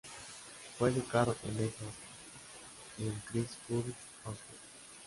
Fue educado en Eton y en Christ Church, Oxford.